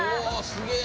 すげえ！